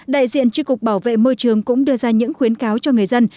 đại diện tri cục bảo vệ môi trường cũng đưa ra những khuyến cáo cho người dân